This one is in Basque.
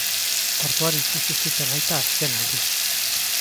Orduan ikusi zuten aita azken aldiz.